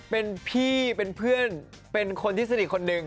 เป็นพี่เป็นเพื่อนเป็นคนที่สนิทคนหนึ่ง